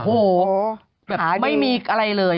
โอ้โหแบบไม่มีอะไรเลย